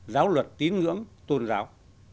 giáo luật tín ngưỡng tôn giáo